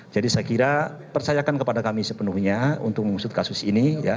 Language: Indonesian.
jadi saya kira percayakan kepada kami sepenuhnya untuk mengusut kasus ini